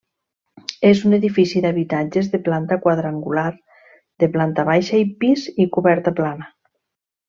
És un edifici d'habitatges de planta quadrangular, de planta baixa i pis, i coberta plana.